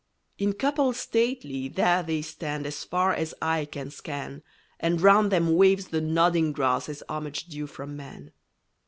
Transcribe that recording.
In couples stately, there they stand As far as eye can scan, And round them waves the nodding grass As homage due from man.